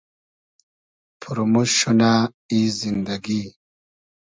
پورموشت شونۂ ای زیندئگی